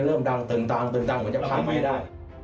เริ่มดังเติมเหมือนจะพังไม่ได้